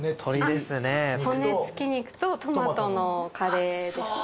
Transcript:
骨付き肉とトマトのカレーですね。